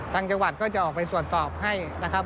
จังหวัดก็จะออกไปตรวจสอบให้นะครับ